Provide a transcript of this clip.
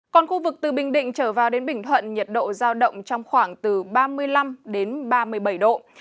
còn khu vực từ bình định trở vào đến bình thuận nhiệt độ giao động trong khoảng từ ba mươi năm đến ba mươi bảy độ